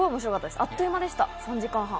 あっという間でした、３時間半。